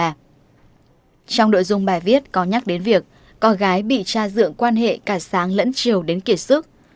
trong đội dung bài viết có nhắc đến việc con gái bị tra dựng quan hệ cả sáng lẫn chiều đến kiệt sức